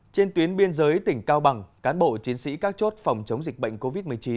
trên tuyến biên giới tỉnh cao bằng cán bộ chiến sĩ các chốt phòng chống dịch bệnh covid một mươi chín